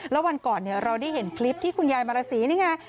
แล้ววันก่อนเราได้เห็นคลิปที่คุณยายมารสีนี่ไง